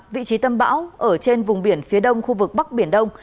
vị trí tâm bão ở trên vùng biển phía đông khu vực bắc biển đông